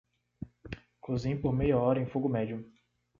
Cozinhe por meia hora em fogo médio.